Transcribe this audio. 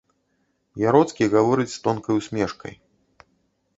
Яроцкі гаворыць з тонкай усмешкай.